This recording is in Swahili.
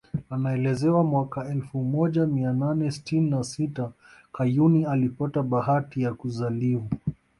Inaelezwa mwaka elfu moja mia nane sitini na sita Kayuni alipata bahati ya kuzaliwa